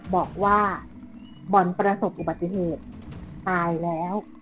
บอกว่าบอลประสบอุบัติเหตุตายแล้ว